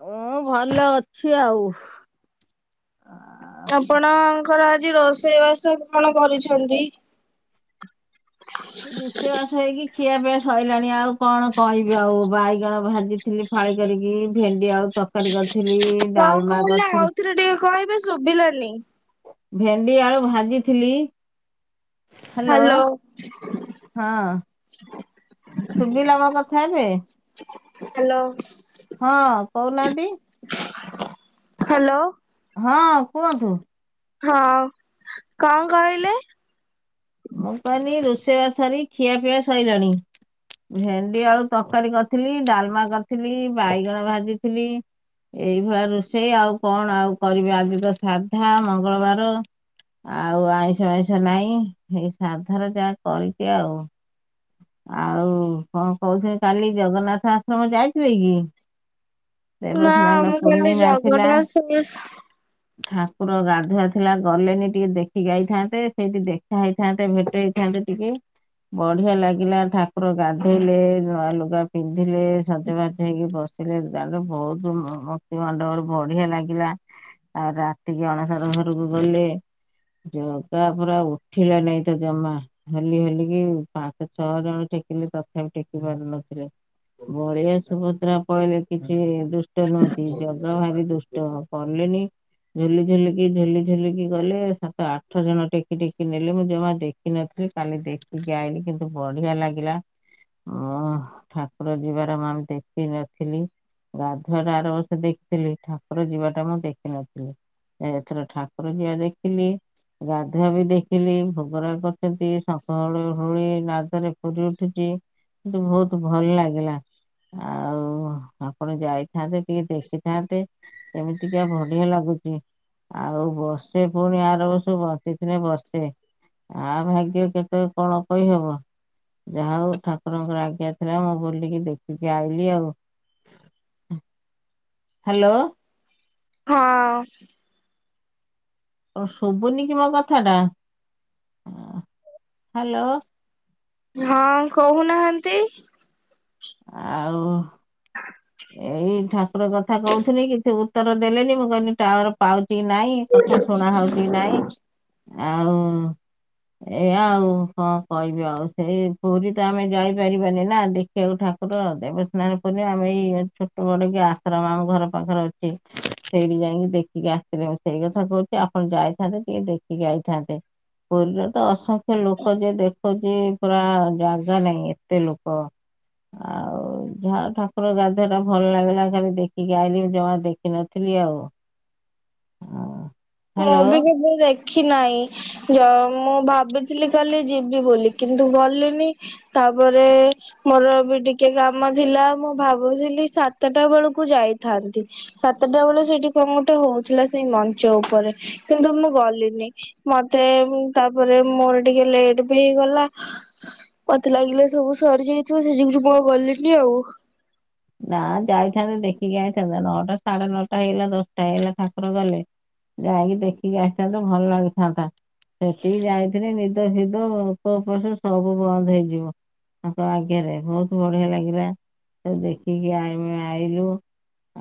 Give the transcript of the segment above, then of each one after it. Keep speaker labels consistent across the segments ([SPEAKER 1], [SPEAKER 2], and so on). [SPEAKER 1] ମୁଁ ଭଲ ଅଛି ଆଉ।
[SPEAKER 2] ଆପଣଙ୍କର ଆଜି ରୋଷେଇ ବାସ କଣ କରିଛନ୍ତି।
[SPEAKER 1] ରୋଷେଇ ବାସ ହେଇକି ଖିଆପିଆ ଶଇଲାଣି ଆଉ କଣ କହିବି ଆଉ ବାଇଗଣ ଭାଜିଥିଲି ଫାଳି କରିକି ଭେଣ୍ଡି ଆଉ ତରକାରୀ କରିଥିଲି
[SPEAKER 2] କଣ
[SPEAKER 1] ଡାଲମା
[SPEAKER 2] କହିଲେ
[SPEAKER 1] କରିଥିଲି।
[SPEAKER 2] ଆଉଥରେ ଟିକେ କହିବେ ଶୁଭିଲାନି?
[SPEAKER 1] ଭେଣ୍ଡି ଆଳୁ ଭାଜିଥିଲି। Hello
[SPEAKER 2] hello.
[SPEAKER 1] ହଁ। ଶୁଭିଲା ମୋ କଥା ଏବେ।
[SPEAKER 2] ହାଲୋ
[SPEAKER 1] ହଁ କହୁନାହାନ୍ତି।
[SPEAKER 2] ହାଲୋ।
[SPEAKER 1] ହଁ କୁହନ୍ତୁ।
[SPEAKER 2] ହଁ କଣ କହିଲେ।
[SPEAKER 1] ମୁ କହିଲି ରୋଷେଇବାସ ସାରି ଖିଆ ପିଆ ସଇଲାଣି। ଭେଣ୍ଡି ଆଳୁ ତରକାରୀ କରିଥିଲି, ଡାଲମା କରିଥିଲି, ବାଇଗଣ ଭାଜିଥିଲି। ଏଇଭଳିଆ ରୋଷେଇ ଆଉ କଣ ଆଉ କରିବି ଆଜି ତ ସାଧା ମଙ୍ଗଳବାର। ଆଉ ଆଇଁଷ ଫାଇଁଷ ନାହିଁ ଏ ସାଧାରେ ଯାହା କରିଚି ଆଉ। ଆଉ କଣ କହୁଥିଲି କାଲି ଜଗନ୍ନାଥ ଆଶ୍ରମ ଯାଇଥିଲେ କି?
[SPEAKER 2] ନା
[SPEAKER 1] ଦେବସ୍ନାନ
[SPEAKER 2] ମୁଁ କହିଲି
[SPEAKER 1] ପୂର୍ଣ୍ଣିମା ଥିଲା।
[SPEAKER 2] ଜଗନ୍ନାଥ ହଁ
[SPEAKER 1] ଠାକୁର ଗାଧୁଆ ଥିଲା ଗଲେନି ଟିକେ ଦେଖିକି ଆଇଥାନ୍ତେ ସେଇଟି ଦେଖା ହେଇଥାନ୍ତେ ଭେଟ ହେଇଥାନ୍ତେ। ସେଠିକି ବଲ ବଢିଆ ଲାଗିଲା ଠାକୁର ଗାଧେଇଲେ, ନୂଆ ଲୁଗା ପିନ୍ଧିଲେ, ସଜବାଜ ହେଇକି ବସିଲେ ଆରେ ବହୁତ ମୁକ୍ତୀ ମଣ୍ଡପ ବଢିଆ ଲାଗିଲା। ଆଉ ରାତି କି ଅଣସର ଘରକୁ ଗଲେ। ଜଗା ପୁରା ଉଠିଲା ନାଇଁ ତ ଜମା ହଲିହିଲି କି ପାଞ୍ଚ ଛଅ ଜଣ ଟେକିଲେ ତଥାପି ଟେକି ପାରୁନଥିଲେ । ବଳିଆ ସୁଭଦ୍ରା କହିଲେ କିଛି ଦୁଷ୍ଟ ନୁହନ୍ତି ଜଗା ଭାରି ଦୁଷ୍ଟ କଲେ ଲେଣି। ଝୁଲିଝୁଲିକି ଝୁଲିଝୁଲିକି ଗଲେ ସାତ ଆଠ ଜଣ ଟେକି ଟେକି ନେଲେ ମୁଁ ଜମା ଦେଖିନ ଥିଲି କାଲି ଦେଖିକି ଆାଇଲି କିନ୍ତୁ ବଢିଆ ଲାଗିଲା। ହୁଁ ଠାକୁର ଯିବାର ମାମ୍ ଦେଖନଥିଲି। ଗାଧୁଆଟା ଆରବର୍ଷ ଦେଖିଥିଲି ଠାକୁର ଯିବା ଟା ମୁଁ ଦେଖିନଥିଲି । ଏଥର ଠାକୁର ଯିବା ଦେଖିଲି। ଗାଧୁଆ ବି ଦେଖିଲି ଭୋଗରାଗ କରିଛନ୍ତି ଶଙ୍ଖ ହୁଳହୁଳି ନାଦରେ ପୁରିଉଠୁଛି କିନ୍ତୁ ବହୁତ ଭଲ ଲାଗିଲା । ଆଉ ଆପଣ ଯାଇଥାନ୍ତେ ଟିକେ ଦେଖିଥାନ୍ତେ ଏମିତିକା ବଢିଆ ଲାଗୁ ଆଉ ବର୍ଷେ ପୁଣି ଆର ବର୍ଷ ବଞ୍ଚିଥିଲେ ବର୍ଷେ । ଆଉ ଭାଗ୍ୟ କେତଳେ କଣ କହିହବ? ଯାହା ହଉ ଠାକୁରଙ୍କର ଆଜ୍ଞା ଥିଲା ମୁଁ ବୁଲିକି ଦେଖିକି ଆଇଲିଆଉ । ହାଲୋ।
[SPEAKER 2] ହଁ।
[SPEAKER 1] ଓ ଅ ଶୁଭୁନି କି ମୋ କଥାଟା ହଁ ହାଲୋ।
[SPEAKER 2] ହଁ [inaudible]
[SPEAKER 1] ଆଉ ଏଇ ଠାକୁର କଥା କହୁଥିଲି କିଛି ଉତ୍ତର ଦେଲେନି ମୁଁ କହିଲି ଟାୱାରପାଉ ଚି କି ନାଇଁ କଥା ଶୁଣା ହଉଛି ନାଇଁ ଆଉ ଏଇଆ ଆଉ କଣ କହିବି ଆଉ ସେଇ ପୁରୀ ତ ଆମେ ଯାଇପାରିବାନି ନା ଦେଖିବାକୁ ଠାକୁର । ଠାକୁର ଦେବସ୍ନାନ ପୂର୍ଣ୍ଣମା ଆମେ ଏଇ ଛୋଟ ବଡ କି ଆଶ୍ରମ ଆମ ଘର ପାଖରେ ଅଛି ସେଇଠି ଯାଇକି ଦେଖିକି ଆସିଥିଲେ ମୁଁ ସେଇ କଥା କହୁଚି। ଆପଣ ଯାଇଥାନ୍ତେ ଟିକେ ଦେଖିକି ଆଇଥାନ୍ତେ । ପୁରୀରେ ତ ଅସଂଖ୍ୟ ଲୋକ ଯେ ଦେଖିକି ପୁରା ଜାଗା ନାହିଁ ଏତେ ଲୋକ । ଆଉ ଯାହା ଠାକୁର ଗାଧେ ଦେହଟା ଭଲ ଲାଗିଲା ଖାଲି ଦେଖିକି ଆଇଲିି ଜମା ଦେଖିନଥିଲି ଆଉ । ହଁ।
[SPEAKER 2] ମୁଁ ବି କେବଳ ଦେଖିନାହିଁ ଜ ମୁଁ ଭାବି ଭାବିଥିଲି କାଲି ଯିବି ବୋଲି କିନ୍ତୁ ଗଲିନି ତାପରେ ମୋର ବି ଟିକେ କାମ କାମ ଥିଲା ମୁଁ ଭାବୁଥିଲି ସାତଟା ବେଳକୁ ଯାଇଥାନ୍ତି ସାତଟା ବେଳେ ସେଠି କଣ ଗୋଟେ । କଣ ହଉଥିଲା ସେଇ ମଞ୍ଚଉ ଉପରେ କିନ୍ତୁ ମୁଁ ଗଲିନି ମତେ ତାପରେ ମୋର ଟିକେ ଲେଟ୍ ବି ହେଇଗଲା। ହା ହା ମତେ ଲାଗିଲେ ସବୁ ସରିଯାଇଥିବ ସେ ଯୋଗୁ ମୁଁ ଗଲିଣିି ଆଉ।
[SPEAKER 1] ନା ଯାଇଥାନ୍ତେ ଦେଖିକି ଆଇଥାନ୍ତେ ନଅଟା ସାଢେ ନଅଟା ହେଇଲା ଦଶଟା ହେଇଲା ଠାକୁର ଗଲେ । ଯାଇକି ଦେଖିକି ଆସିଥାନ୍ତେ ଭଲ ହେଇଥାନ୍ତା। ସେଠକି ଯାଇଥିଲି ନିଦ ପିଦ ଭୋକ ଉପାସ ସବୁ ବନ୍ଦ ହେଇଯିବ । ତାଙ୍କ ଆଗରେ ବହୁତ ବଢିଆ ଲାଗିଲା ସବୁ ଦେଖିକି ଆମେ ଆଇଲୁ।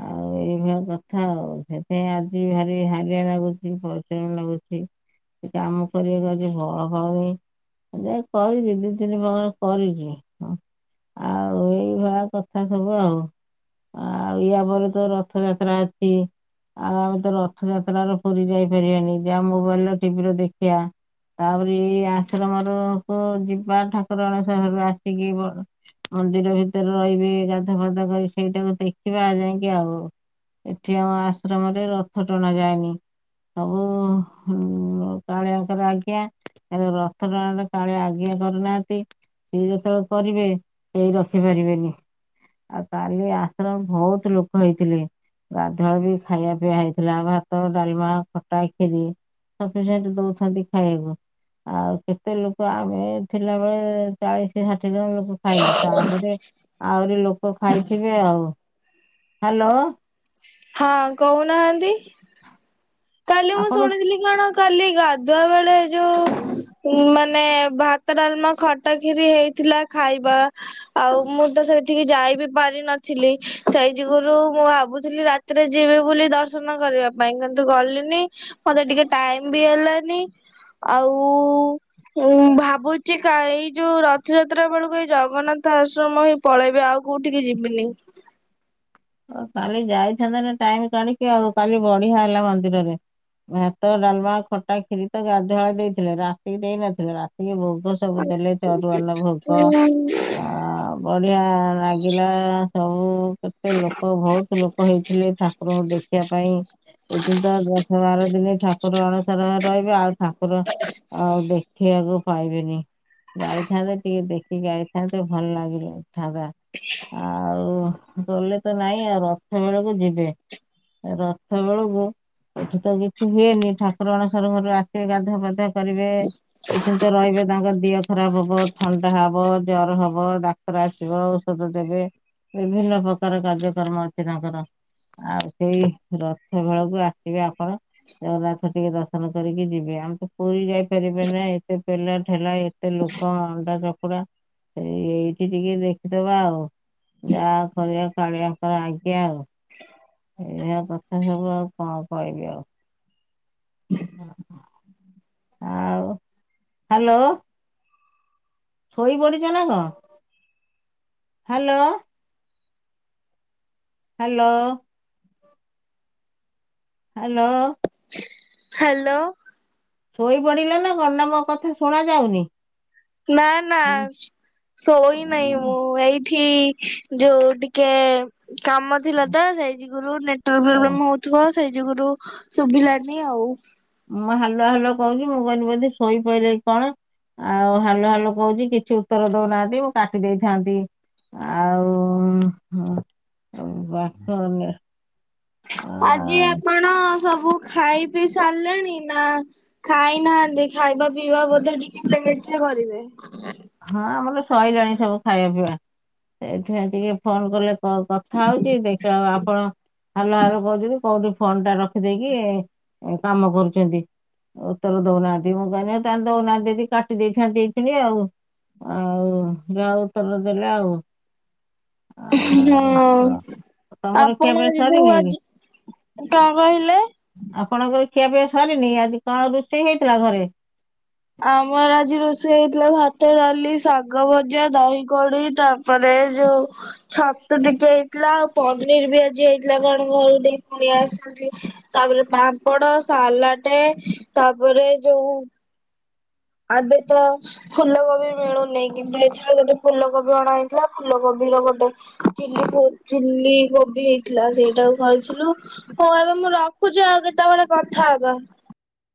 [SPEAKER 1] ଆଉ ଏଇଭଳିଆ କଥା ଆଉ ସେଥି ପାଇଁ ଆଜି ଭାରି ହାଲିଆ ଲାଗୁଛି ପରିଶ୍ରମ ଲାଗୁଛି। ସେ କାମ କରିବାକୁ ଆଜି ବଳ ପାଉନି। ଯାଇ କରିଛି ଦି ତିନି ପ୍ରକାର କରିଛି ହୁଁ। ଆଉ ଏଇଭଳିଆ କଥା ସବୁ ଆଉ। ଆଉ ଇଆପରେ ତ ରଥଯାତ୍ରା ଅଛି। ଆଉ ଆମେ ତ ରଥଯାତ୍ରାରେ ପୁରି ଯାଇପାରିବାନି ଯାହା ମୋବାଇଲ ଟିଭିରେ ଦେଖିବା। ତାପରି ଆଶ୍ରମରୁ କୁ ଯିବା ଠାକୁରାଣି ଶାଳରୁ ଆସିକି ମନ୍ଦିର ଭିତରେ ରହିବେ ଗାଧୁଆ ପାଧୁଆ କରି ସେଇଟାକୁ ଦେଖିବା ଯାଇଁକି ଆଉ । ଏଠି ଆମ ଆଶ୍ରମରେ ରଥ ଟଣା ଯାଏନି । ସବୁ ହୁଁ କାଳିଆଙ୍କର ହେଲେ ଆଜ୍ଞା ରଥ ଟଣାରେ କାଳିଆ ଆଜ୍ଞା କରୁନାହାନ୍ତି ସିଏ ଯେତୋଳେ କରିବେ କେହି ରଖିପାରିବେନି । ଆଉ କାଳି ଏ ଆଶ୍ରମ ଭୋଉତ ଲୋକ ହେଇଥିଲେ । ଗାଧୁଆଳେ ବି ଖାଇବା ପିଇଆ ହେଇଥିଲା ଭାତ ଡାଲମା ଖଟା କ୍ଷୀରି। ସଫିସେଣ୍ଟ୍ ଦୋଉଛନ୍ତି ଖାଇଆକୁ । ଆଉ କେତେ ଲୋକ ଆମେ ଥିଲାବେଳେ ଚାଳିଶି ହା ଠେ ଜଣ ଲୋକ ଖାଇଲୁ ତାପରେ ଆହୁରି ଲୋ ଓ ଖାଇଥିବେ ଆଉ ହାଲୋ।
[SPEAKER 2] ହଁ କହୁନାହାନ୍ତି କାଲି ମୁଁ
[SPEAKER 1] ଆପଣ
[SPEAKER 2] ଶୁଣିଥିଲି କଣ କାଲି ଗାଧୁଆ ବେଳେ ଯୋଉ ଉଁ ମା ନେ ଭାତ ଡାଲମା ଖଟା ଖିରି ହେଇଥିଲା ଖାଇବା ଆଉ ମୁଁ ତ ସେ ଟିକେ ଯାଇ ବିି ପାରିିନଥିଲି ସେଇ ଯୁଗୁରୁ ମୁଁ ଭାବୁ ଥିଲି ରାତିରେ ଯିବି ବୋଲି ଦର୍ଶନ କରିବା ପାଇଁକା। ତ ଗଲିନି ମତେ ଟିକେ ଟାଇମ୍ ବି ହେଲାନି ଆଉ ଉଁ ଭାବୁଚି କା ଏଇ ଯୋଉ ରଥଯାତ୍ରା ବେଳୁକୁ ଏଇ ଜଗନ୍ନାଥ ଆଶ୍ରମ ହିଁ ପଳେଇବି ଆ ଆଉ କୋଉଠିକି ଯିବିନି।
[SPEAKER 1] କାଲି ଯାଇଥାନ୍ତେ ନାଁ ଟାଇମ୍ କାଢି଼କି ଆଉ କାଲି ବଢ଼ିଆ ହେଲା ମନ୍ଦିରରେ। ଭାତ ଡାଲମା ଖଟା କ୍ଷୀରି ତ ଗାଧୁଆଳେ ଦେଇଥିଲେ ରାତିକି ଦେଇନଥିଲେ ରାତିକି ଭୋଗ ସବୁ ଦେଲେ। ସେ ଅରୁଆ ଅନ୍ନ ଭୋଗ ଆ ବଢ଼ିଆ ଲାଗିଲା । ସେ ଲୋକ ଭୋଉତୁ ଲୋକ ହେଇଥିଲେ ଠାକୁରଙ୍କୁ ଦେଖିବା ପାଇଁ । ଏଠି ତ ଦଶ ବାର ଦିନି ଠାକୁର ଅଣସର ହରେ ରହିବେ ଆଉ ଠାକୁର ଆଉ ଦେ ଦେଖିବାକୁ ପାଇବେନି ଯାଇଥାନ୍ତେ ଟିକେ ଦେଖିକି ଆଇଥାନ୍ତେ ଭଲ ଲାଗିଲାଥାନ୍ତା । ଆଉ ଗଲେ ତ ନାଇଁ ଆଉ ରଥ ବେଳୁକୁ ଯିବେ । ରଥ ବେଳୁକୁ ଏଠି ତ କିଛି ହୁଏନି ଠାକୁର ଅଣସର ଘରୁ ଆସିବେ ଗାଧୁଆ ପାଧୁଆ କରିବେ। ଏଇ ସପ୍ତାହ ରହିବେ ତାଙ୍କ ଦିହ ଖରାପ ହବ ଥଣ୍ଡା ହବ ଜର ହବ ଡାକ୍ତର୍ ଆସିବ ଔଷ ଦେବେ ବିଭିନ୍ନ ପ୍ରକାର କାର୍ଯ୍ୟକର୍ମ ଅଛି ତାଙ୍କର । ଆଉ ସେଇ ରଥ ବେଳକୁ ଆସିବେ ଆପଣ। ଜଗନ୍ନାଥ ଟିକେ ଦର୍ଶନ କରିକି ଯିବେ ଆମେ ତ ପୁରୀ ଯାଇପାରିବେ ନା ଏତେ ଠେଲା ପେଲା ଏତେ ଲୋ ଉପ ଅଣ୍ଡା ଚକୁଡ଼ା ହେଇ ଏଇଠି ଟିକେ ଦେଖିଦବା ଆଉ ଯା କରିବା କାଳିଆଙ୍କର ଆଜ୍ଞା ଆଉ। ଏଇଆ କଥା ସବୁ ଆଉ କଣ କହବି ଆଉ । ଆଉ ହାଲୋ। ଶୋଇ ପଡି଼ଚ ନାଁ କଁ ହାଲୋ । ହାଲୋ। ହାଲୋ।
[SPEAKER 2] ହାଲୋ।
[SPEAKER 1] ଶୋଇ ପଡି଼ଲ ନାଁ କଣ ନାଁ ମୋ କଥା ଶୁଣା ଯାଉନି।
[SPEAKER 2] ନାଁ ନାଁ ଶୋଇ ନାଇଁ ମୁଁ ଏଇ ଠି ଯୋଉ ଟିକେ କାମ ଥିଲା ତ ସେଇ ଯୁଗରୁ ନେଟୱାର୍କ
[SPEAKER 1] ଓ
[SPEAKER 2] ପ୍ରୋବ୍ଲେମ୍ ହଉଥୁବ। ସେଇ ଯୁଗୁରୁ ଶୁଭିଲାନି ଆଉ।
[SPEAKER 1] ମୁଁ ହାଲୋ ହାଲୋ କହୁଚି ମୁଁ କହିନି ବୋଧେ ଶୋଇ ପଇଲେ କି କଣ। ଆଉ ହାଲୋ ହାଲୋ କହୁଚି କିଛି ଉତ୍ତର ଦଉନାହାନ୍ତି ମୁଁ କାଟି ଦେଇଥାନ୍ତି। ଆଉ ହଁ ଏ ବାସନ୍ୟା
[SPEAKER 2] ଆଜି ଆପଣ ସବୁ ଖାଇ ପିଇ ସାରିଲେଣି ନାଁ ଖାଇନାହାନ୍ତି ଖାଇବା ପିଇବା ବୋଧେ ଟିକେ ଲେଟ୍ ରେ କରିବେ
[SPEAKER 1] ହଁ ଆମର ସରିଲାଣି ସବୁ ଖାଇବା ପିଇବା ସେଇଥିପାଇଁ ଟିକେ ଫୋନ କଲେ କଥା ହଉଛି ଦେଖିବାଉ ଆପଣ ହାଲୁ ହାଲୁ କହୁଛନ୍ତି କୋଉଠୁ ଫନ ଟା ରଖିଦେଇକି କାମ କରୁଛନ୍ତି। ଓ ତେର ଦଉନାହାନ୍ତି ମୁଁ କହିନି ତାଲେ ଦଉନାହାନ୍ତି ଯଦି କାଟି ଦେଇଥାନ୍ତି ଏଇି ଆଉ ଆଉ ଯାଉ ଉତର ଦେଲା ଆଉ ଆଉ
[SPEAKER 2] ହଁ
[SPEAKER 1] ତ- ତମର
[SPEAKER 2] ଆପଣ
[SPEAKER 1] ଖିଆପିଆ
[SPEAKER 2] ଯୋଉ
[SPEAKER 1] ସରିନି କି
[SPEAKER 2] ଆଜି କଣ କହିଲେ?
[SPEAKER 1] ପଣଙ୍କ ଖିଆ ପିଇବା ସରିନି ଆଜି କଣ ରୋଷେଇ ହେଇଥିଲା ଘରେ?
[SPEAKER 2] ଆମର ଆଜି ରୋଷେଇ ହେଇଥିଲା ଭାତ, ଡାଲି, ଶାଗ ଭଜା ଦହି କଡି ତାପରେ ଯୋଉ ଛତୁ ଟିକେ ହେଇଥିଲା ନିର୍ ବି ଆଜି ହେଇଥିଲା କଣ ଘର ଟ କୁଣିଆ ଆସନ୍ତି ତାପରେ ପାମ୍ପଡ ସାଲାଡ ତାପରେ ଯୋଉ ଏବେ ତ ଫୁଲ କୋବି ମିଳୁନି କି ହେଇଥିଲା ଗୋଟେ ଫୁଲକୋବି ଅଣା ହେଇଥିଲା ଫୁଲକୋବି ର ଗୋଟେ ଚିଲି ଚିଲ କୋବି ବି ହେଇଥିଲା ସେଇଟାକୁ ଖାଇଥିଲୁ। ହଉ ଏବେ ମୁଁ ରଖୁଛି ଆଉ କେତେବେଳେ କଥା ହବା।